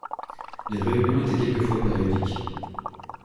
Les réunions étaient quelquefois périodiques.